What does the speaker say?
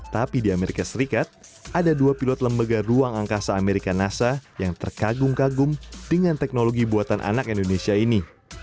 tapi di amerika serikat ada dua pilot lembaga ruang angkasa amerika nasa yang terkagum kagum dengan teknologi buatan anak indonesia ini